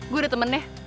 gue ada temen ya